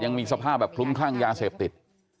ยังมีสภาพแบบคลุ้มคลั่งยาเสพติด